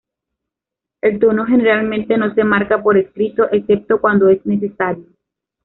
El tono generalmente no se marca por escrito excepto cuando es necesario.